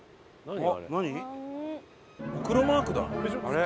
あれ。